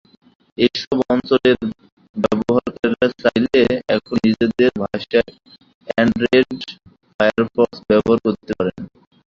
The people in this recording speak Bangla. এসব অঞ্চলের ব্যবহারকারীরা চাইলে এখন নিজেদের ভাষায় অ্যান্ড্রয়েডে ফায়ারফক্স ব্যবহার করতে পারবেন।